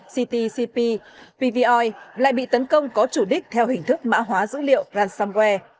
ctcp pvoi lại bị tấn công có chủ đích theo hình thức mã hóa dữ liệu ransomware